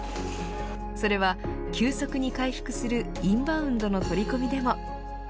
それは、急速に回復するインバウンドの取り組みでも。